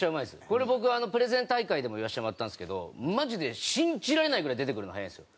これ僕プレゼン大会でも言わせてもらったんですけどマジで信じられないぐらい出てくるの早いんですよ。